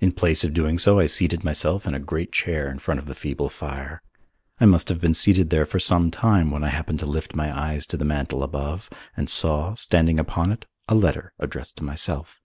In place of doing so I seated myself in a great chair in front of the feeble fire. I must have been seated there for some time when I happened to lift my eyes to the mantel above and saw, standing upon it, a letter addressed to myself.